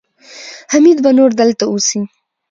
حميد به نور دلته اوسي.